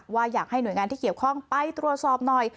ว่าอยากให้หน่วยงานที่เกี่ยวข้องไปตรวจสอบหน่อย